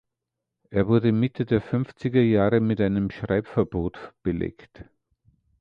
Er wurde Mitte der fünfziger Jahre mit einem Schreibverbot belegt.